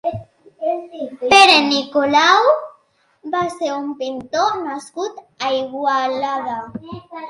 Pere Nicolau va ser un pintor nascut a Igualada.